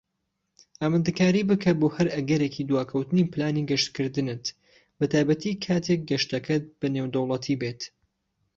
ئامادەکاری بکە بۆ هەر ئەگەرێکی دواکەوتنی پلانی گەشتکردنت، بەتایبەتی کاتیک گەشتەکەت بە نێودەوڵەتی بێت.